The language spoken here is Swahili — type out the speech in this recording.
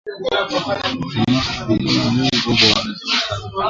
Wa mama wa mu kongo wana uzunika sana